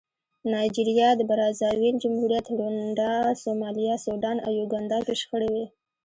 نایجریا، د برازاویل جمهوریت، رونډا، سومالیا، سوډان او یوګانډا کې شخړې وې.